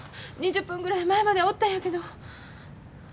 ２０分ぐらい前まではおったんやけど。